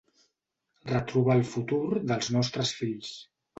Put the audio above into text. Retrobar el futur dels nostres fills.